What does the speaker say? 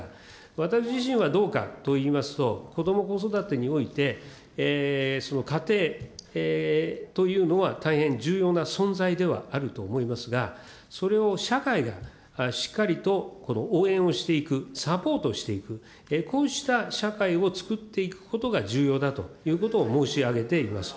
私自身はどうかといいますと、こども・子育てにおいて、その家庭というのは大変重要な存在ではあると思いますが、それを社会がしっかりと応援をしていく、サポートしていく、こうした社会をつくっていくことが重要だということを申し上げています。